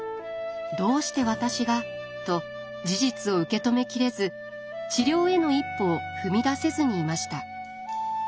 「どうして私が」と事実を受け止めきれず治療への一歩を踏み出せずにいました。